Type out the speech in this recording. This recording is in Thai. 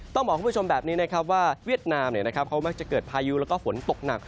ต้องบอกคุณผู้ชมแบบนี้นะครับว่าเวียดนามเขามักจะเกิดพายุแล้วก็ฝนตกหนัก